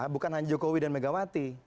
bukan hanya jokowi dan megawati